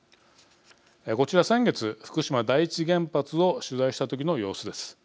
こちら先月、福島第一原発を取材した時の様子です。